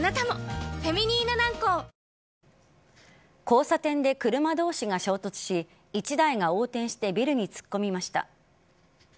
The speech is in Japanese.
交差点で車同士が衝突し１台が横転してビルに突っ込みました。